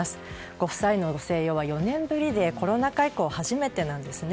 ご夫妻の静養は４年ぶりでコロナ禍以降初めてなんですね。